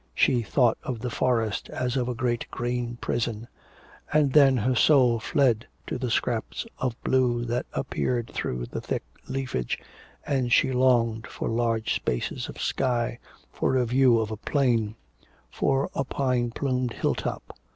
She thought of the forest as of a great green prison; and then her soul fled to the scraps of blue that appeared through the thick leafage, and she longed for large spaces of sky, for a view of a plain, for a pine plumed hill top.